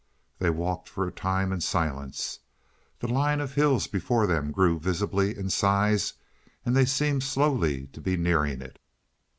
They walked for a time in silence. The line of hills before them grew visibly in size, and they seemed slowly to be nearing it.